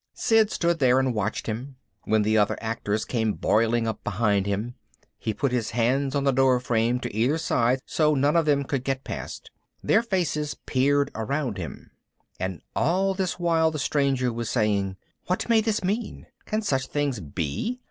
Sid stood there and watched him. When the other actors came boiling up behind him, he put his hands on the doorframe to either side so none of them could get past. Their faces peered around him. And all this while the stranger was saying, "What may this mean? Can such things be?